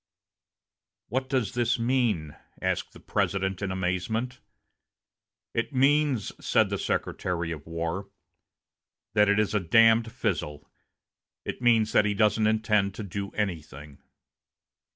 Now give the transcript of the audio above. "What does this mean?" asked the President, in amazement. "It means," said the Secretary of War, "that it is a damned fizzle. It means that he doesn't intend to do anything."